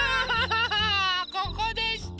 ここでした！